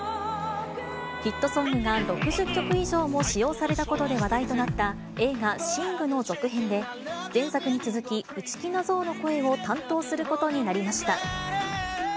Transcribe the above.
ヒットソングが６０曲以上も使用されたことで話題となった映画、シングの続編で、前作に続き、内気なゾウの声を担当することになりました。